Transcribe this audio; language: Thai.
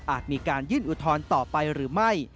มีการยื่นอุทธรณ์ต่อไปหรือไม่